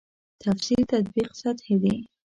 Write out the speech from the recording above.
تفسیر تطبیق سطحې دي.